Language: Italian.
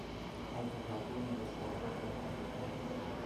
Ha giocato nella squadra delle matricole.